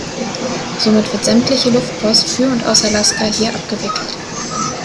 Somit wird sämtliche Luftpost für und aus Alaska hier abgewickelt.